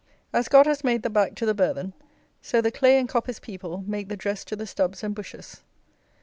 As "God has made the back to the burthen," so the clay and coppice people make the dress to the stubs and bushes.